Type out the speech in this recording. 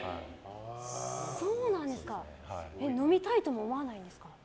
飲みたいとも思わないんですか？